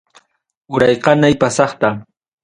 Uray qanay pasaqta.